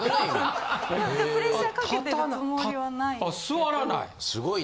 座らない。